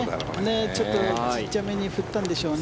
ちょっと小さめに振ったんでしょうね。